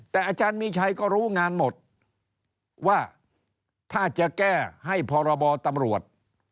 แต่อาจารย์มีชัยก็รู้งานหมดว่าถ้าจะแก้ให้พรบตำรวจ